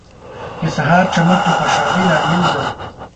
• د سهار چمک د خوشحالۍ لامل دی.